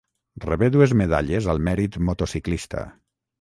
Rebé dues medalles al mèrit motociclista.